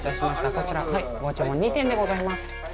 こちら２点でございます。